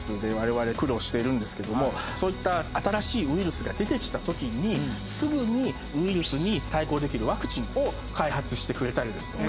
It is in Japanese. そういった新しいウイルスが出て来た時にすぐにウイルスに対抗できるワクチンを開発してくれたりですとか。